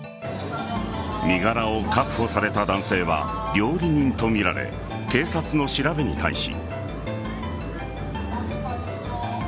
身柄を確保された男性は料理人とみられ警察の調べに対し。